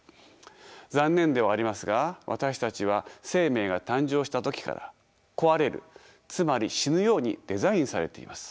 残念ではありますが私たちは生命が誕生した時から壊れるつまり死ぬようにデザインされています。